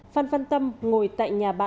phan văn tâm ngồi tại nhà bà